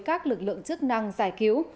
các lực lượng chức năng giải cứu